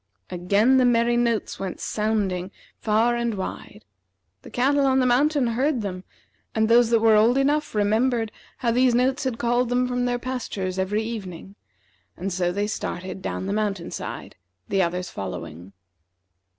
Again the merry notes went sounding far and wide. The cattle on the mountain heard them, and those that were old enough remembered how these notes had called them from their pastures every evening, and so they started down the mountain side, the others following.